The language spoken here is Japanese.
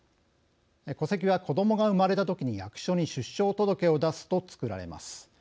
戸籍は、子どもが生まれたときに役所に出生届を出すと作られます。